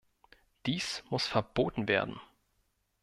Dies muss verboten werden!